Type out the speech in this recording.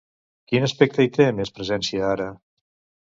Quin aspecte hi té més presència ara?